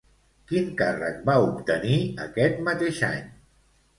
Quin càrrec va obtenir aquest mateix any?